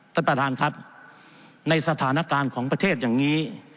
ท่านประธานครับในสถานการณ์ของประเทศอย่างนี้